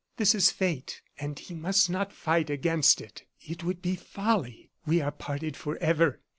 This is fate; and he must not fight against it. It would be folly. We are parted forever.